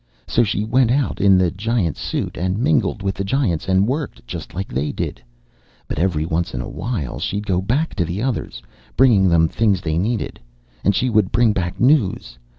So she went out in the giant suit and mingled with the giants and worked just like they did. "But every once in a while she'd go back to the others, bringing them things they needed. And she would bring back news.